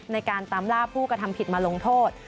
ในการตามล่าผู้กระทำผิดมาลงโทษ